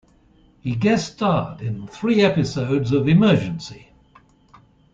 He guest starred in three episodes of Emergency!